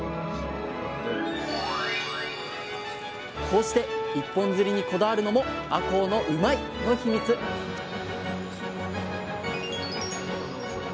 こうして一本釣りにこだわるのもあこうのうまいッ！のヒミツへ。